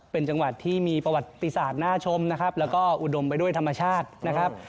เป็นจังหวัดที่มีประวัติศาสตร์น่าชมนะครับแล้วก็อุดมไปด้วยธรรมชาตินะครับ